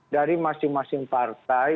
dari masing masing partai